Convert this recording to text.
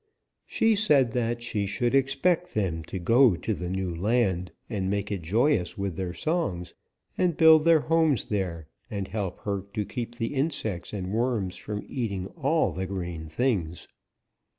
She said that she should expect them to go to the new land and make it joyous with their songs and build their homes there and help her to keep the insects and worms from eating all the green things.